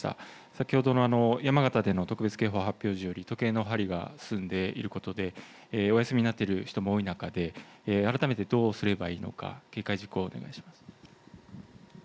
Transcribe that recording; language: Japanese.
先ほど山形での特別警報発表時より時計の針が進んでいることでお休みになっている方も多い中で改めて、どうすればいいのか警戒事項をお願いします。